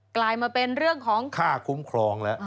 กลายมาเป็นเรื่องของค่าคุ้มครองแล้ว